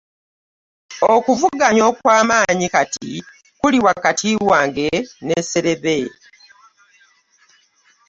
Okuvuganya okw'amaanyi kati kuli wakati wange ne Sserebe.